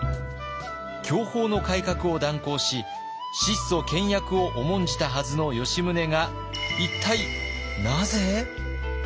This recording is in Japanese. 享保の改革を断行し質素倹約を重んじたはずの吉宗が一体なぜ？